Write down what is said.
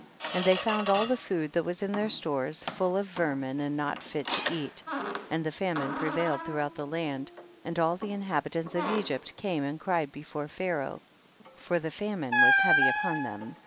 20. And they found all the food that was in their stores, full of ver min and not fit to eat, and the fa mine prevailed throughout the land, and all the inhabitants of Egypt came and cried before Pharaoh, for the fa mine was heavy upon them.